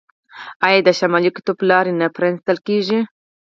آیا د شمالي قطب لارې نه پرانیستل کیږي؟